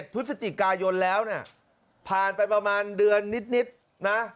พฤศจิกายนแล้วเนี่ยผ่านไปประมาณเดือนนิดนะ